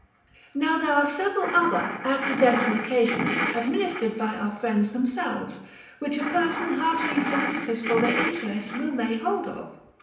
30. Now there are several other accidental occasions administered by our friends themselves, which a person heartily solicitous for their interest will lay hold of.